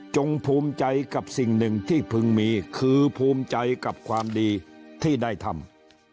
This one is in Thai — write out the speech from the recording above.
ภูมิใจกับสิ่งหนึ่งที่พึงมีคือภูมิใจกับความดีที่ได้ทำ